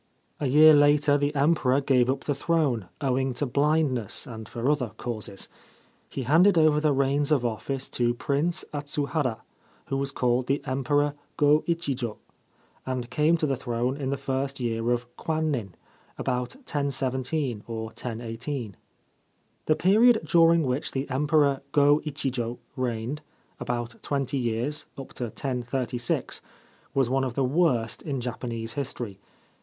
A year later the Emperor gave up the throne, owing to blindness and for other causes. He handed over the reins of office to Prince Atsuhara, who was called the Emperor Go Ichijo, and came to the throne in the first year of Kwannin, about 1017 or 1018. The period during which the Emperor Go Ichijo reigned — about twenty years, up to 1036 — was one of the worst in Japanese history.